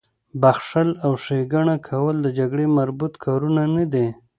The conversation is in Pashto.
بخښل او ښېګڼه کول د جګړې مربوط کارونه نه دي